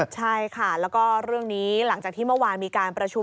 ใช่ค่ะแล้วก็เรื่องนี้หลังจากที่เมื่อวานมีการประชุม